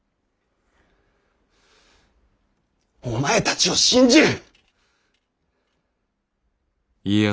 お前たちを信じる！